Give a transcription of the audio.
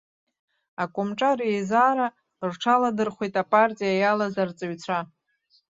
Акомҿар еизара рҽаладырхәит апартиа иалаз арҵаҩцәа.